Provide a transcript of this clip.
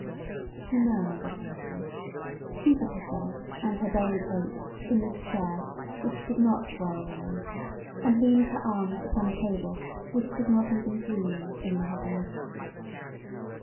She murmured a "Thank you," seated herself and her buried hopes in this chair which did not whirl round, and leaned her arms upon a table which did not even dream in mahogany.